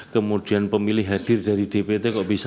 kemudian pemilih hadir dari dpt kok bisa dua ratus sembilan puluh sembilan